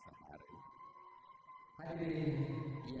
tidak berlaku anginnya